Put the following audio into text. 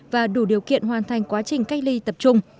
và đủ điều kiện hoàn thành quá trình cách ly tập trung